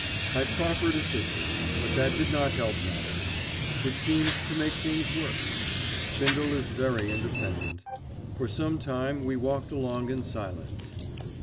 I proffered assistance; but that did not help matters. It seemed to make things worse: Bindle is very independent. For some time we walked along in silence.